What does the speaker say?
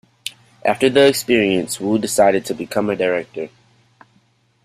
After the experience, Wu decided to become a director.